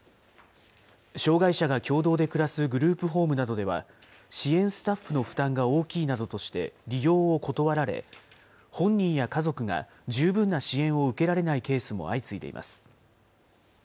障害者が共同で暮らすグループホームなどでは、支援スタッフの負担が大きいなどとして利用を断られ、本人や家族が十分な支援を受けられないケースも相次いでいます。